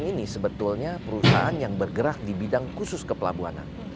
ini sebetulnya perusahaan yang bergerak di bidang khusus kepelabuhanan